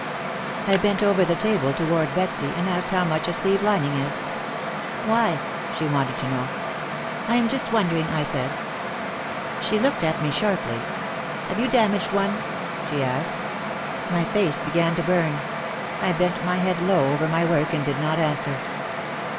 I bent over the table toward Betsy and asked how much a sleeve lining is. "Why?" she wanted to know. "I am just wonder 122 OUT OF THE SHADOW ing," I said. She looked at me sharply. "Have you damaged one?" she asked. My face began to burn. I bent my head low over my work and did not answer.